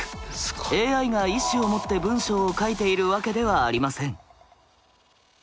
ＡＩが意思を持って文章を書いているわけではありません。